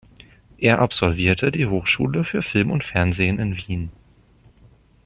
Er absolvierte die Hochschule für Film und Fernsehen in Wien.